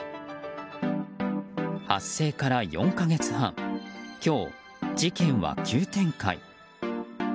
発生から４か月半今日、事件は急展開。